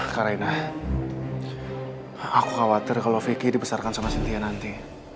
karena aku khawatir kalau vicky dibesarkan sama sintia nanti